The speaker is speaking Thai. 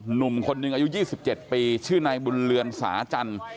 หนุ่มคนหนึ่งอายุ๒๗ปีชื่อนายบุญเรือนสาจันทร์